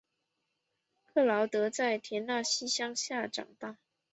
克劳德在田纳西乡下长大。